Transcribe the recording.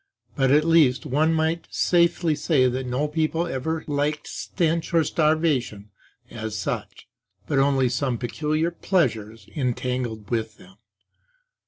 But at least one might safely say that no people ever liked stench or starvation as such, but only some peculiar pleasures en tangled with them.